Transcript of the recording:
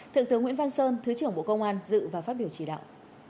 thượng tướng nguyễn văn sơn thứ trưởng bộ công an dự và phát biểu chỉ đạo